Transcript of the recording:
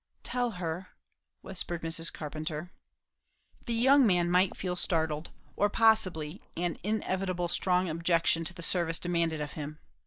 "Tell her " whispered Mrs. Carpenter. The young man might feel startled, or possibly an inevitable strong objection to the service demanded of him.